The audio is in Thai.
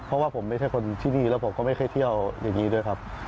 เพราะว่าผมไม่ใช่คนที่นี่แล้วผมก็ไม่เคยเที่ยวอย่างนี้ด้วยครับ